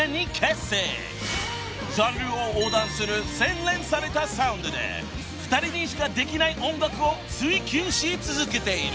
［ジャンルを横断する洗練されたサウンドで２人にしかできない音楽を追求し続けている］